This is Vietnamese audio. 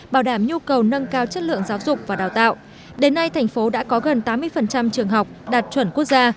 bảo đảm nhu cầu nâng cao chất lượng giáo dục và đào tạo đến nay thành phố đã có gần tám mươi trường học đạt chuẩn quốc gia